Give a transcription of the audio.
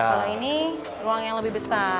kalau ini ruang yang lebih besar